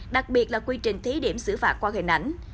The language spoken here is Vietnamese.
đặc biệt là quy trình thí điểm xử phạt qua hình ảnh